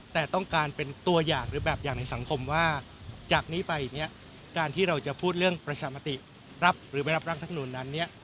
แต่ต้องการเป็นตัวอย่างหรือแบบอย่างในสังคมว่าจากนี้ไปเนี่ยการที่เราจะพูดเรื่องประชามติรับหรือไม่รับร่างธรรมนูลนั้นเนี่ย